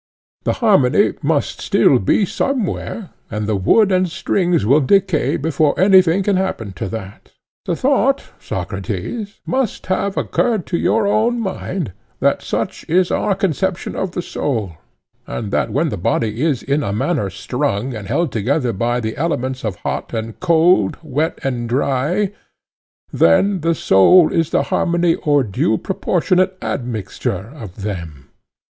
The harmony must still be somewhere, and the wood and strings will decay before anything can happen to that. The thought, Socrates, must have occurred to your own mind that such is our conception of the soul; and that when the body is in a manner strung and held together by the elements of hot and cold, wet and dry, then the soul is the harmony or due proportionate admixture of them.